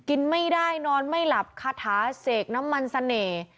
กินไม่ได้นอนไม่หลับคาถาเสกน้ำมันเสน่ห์